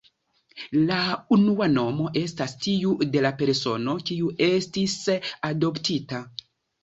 La unua nomo estas tiu de la persono, kiu estis adoptita.